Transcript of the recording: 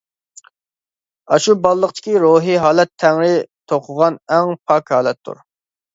ئاشۇ بالىلىقتىكى روھى ھالەت تەڭرى «توقۇغان» ئەڭ پاك ھالەتتۇر.